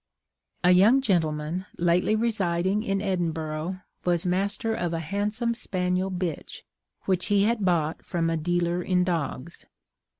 A young gentleman lately residing in Edinburgh was master of a handsome spaniel bitch, which he had bought from a dealer in dogs.